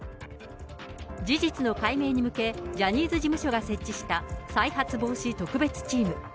事実の解明に向け、ジャニーズ事務所が設置した再発防止特別チーム。